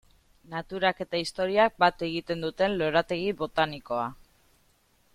Naturak eta historiak bat egiten duten lorategi botanikoa.